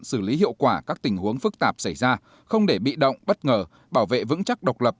xử lý hiệu quả các tình huống phức tạp xảy ra không để bị động bất ngờ bảo vệ vững chắc độc lập